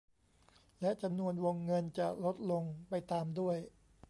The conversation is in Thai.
และจำนวนวงเงินจะลดลงตามไปด้วย